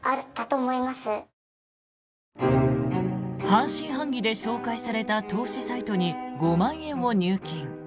半信半疑で紹介された投資サイトに５万円を入金。